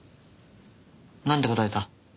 なんて答えた？